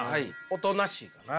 おとなしいかな。